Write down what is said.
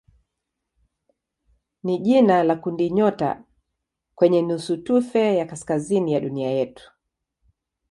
ni jina la kundinyota kwenye nusutufe ya kaskazini ya dunia yetu.